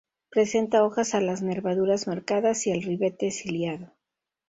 Presenta hojas a las nervaduras marcadas y al ribete ciliado.